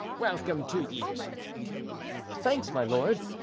Welcome to ye." "Thanks, my lord.